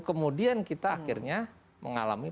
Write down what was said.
kemudian kita akhirnya mengalami